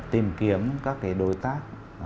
tìm kiếm các cái đối tác